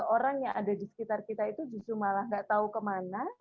orang yang ada di sekitar kita itu justru malah nggak tahu kemana